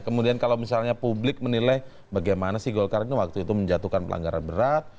kemudian kalau misalnya publik menilai bagaimana sih golkar ini waktu itu menjatuhkan pelanggaran berat